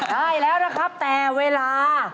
ใช่แล้วนะครับแต่เวลา